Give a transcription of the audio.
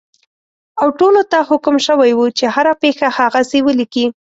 او ټولو ته حکم شوی وو چې هره پېښه هغسې ولیکي.